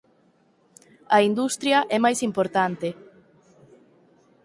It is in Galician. A industria é máis importante.